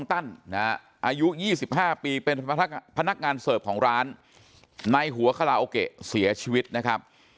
อายุ๒๕ปีเป็นพนักงานเสิร์ฟของร้านในหัวคาราโอเกะเสียชีวิตนะครับ